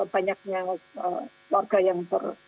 banyaknya warga yang